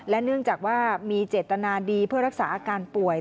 เนื่องจากว่ามีเจตนาดีเพื่อรักษาอาการป่วย